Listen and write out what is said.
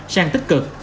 sang tích cực